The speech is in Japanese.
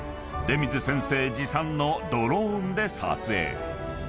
［出水先生持参のドローンで撮影］